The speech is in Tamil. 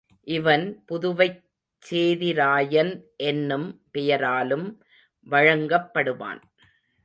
இவன் புதுவைச் சேதிராயன் என்னும் பெயராலும் வழங்கப்படுவான்.